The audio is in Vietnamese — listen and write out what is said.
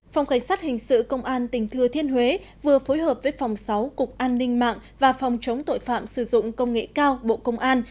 phòng cảnh sát hình sự công an tỉnh thừa thiên huế vừa phối hợp với phòng sáu cục an ninh mạng và phòng chống tội phạm sử dụng công nghệ cao bộ công an